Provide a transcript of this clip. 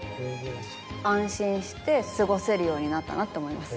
安心して過ごせるようになったなって思います。